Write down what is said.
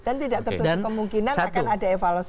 dan tidak tertentu kemungkinan